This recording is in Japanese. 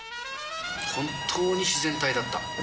本当に自然体だった。